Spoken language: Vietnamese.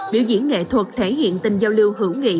biểu diễn nghệ thuật thể hiện tình giao lưu hữu nghị